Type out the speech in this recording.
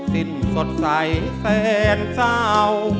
สิ้นสดใสแฟนเศร้า